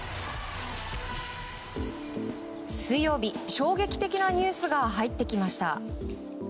水曜日、衝撃的なニュースが入ってきました。